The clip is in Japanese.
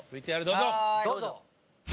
どうぞ！